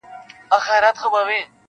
په پټه او بې غږه ترسره سي-